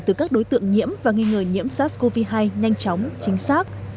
từ các đối tượng nhiễm và nghi ngờ nhiễm sars cov hai nhanh chóng chính xác